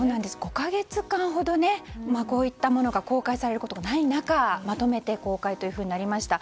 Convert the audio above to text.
５か月間ほどこういったものが公開されることがない中まとめて公開となりました。